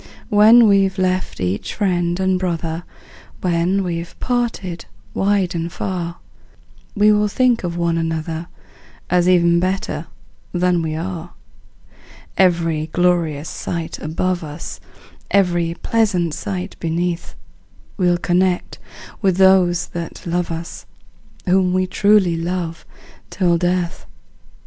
When we've left each friend and brother, When we're parted wide and far, We will think of one another, As even better than we are. Every glorious sight above us, Every pleasant sight beneath, We'll connect with those that love us, Whom we truly love till death!